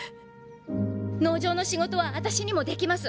農場の仕事は私にもできます。